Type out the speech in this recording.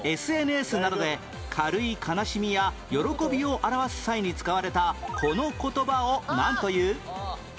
ＳＮＳ などで軽い悲しみや喜びを表す際に使われたこの言葉をなんという？